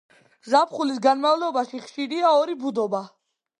ზაფხულის განმავლობაში ხშირია ორი ბუდობა.